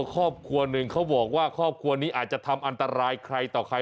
ครอบครัวหนึ่งเขาบอกว่าครอบครัวนี้อาจจะทำอันตรายใครต่อใคร